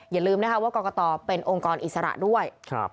อย่าลืมนะคะว่ากรกตเป็นองค์กรอิสระด้วย